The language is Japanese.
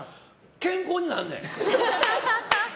健康になるねん。